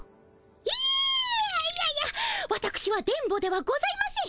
ええいやいやわたくしは電ボではございません。